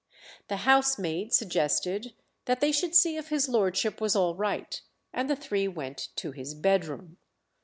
The housemaid suggested that they should see if his lordship was all right, and the three went to his bed room.